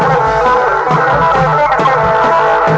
เพื่อรับความรับทราบของคุณ